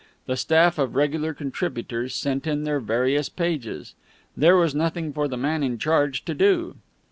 The staff of regular contributors sent in their various pages. There was nothing for the man in charge to do.